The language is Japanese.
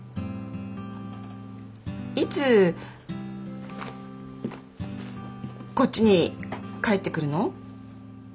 いつこっちに帰ってくるの？